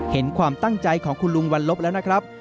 เห็นความตั้งใจของคุณลุงวันลบแล้วนะครับ